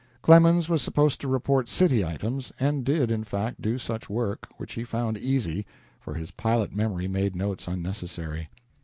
Clemens was supposed to report city items, and did, in fact, do such work, which he found easy, for his pilot memory made notes unnecessary.